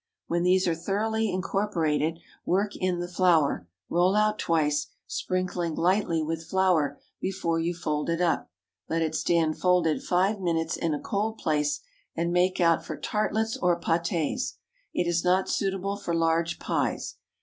When these are thoroughly incorporated, work in the flour, roll out twice, sprinkling lightly with flour before you fold it up; let it stand folded five minutes in a cold place, and make out for tartlets or pâtés. It is not suitable for large pies.